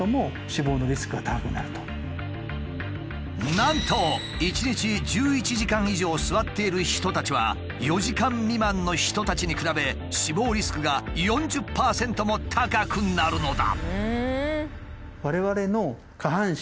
なんと１日１１時間以上座っている人たちは４時間未満の人たちに比べ死亡リスクが４０％も高くなるのだ。